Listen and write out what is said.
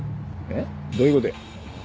えっどういう事や？